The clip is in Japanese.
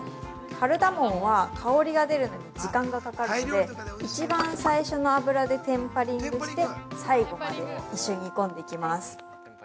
カルダモンは、香りが出るのに時間がかかるので、一番最初の油でテンパリングして、最後まで一緒に煮込んでいきます。